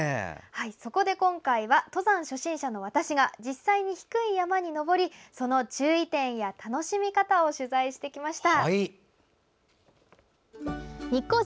そこで今回は、登山初心者の私が実際に低い山に登りその注意点や、楽しみ方を取材してきました。